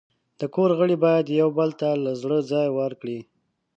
د کور غړي باید یو بل ته له زړه ځای ورکړي.